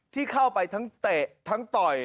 ที่เข้าไปทั้งเตะทั้งต่อย